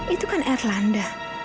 itu kan irlanda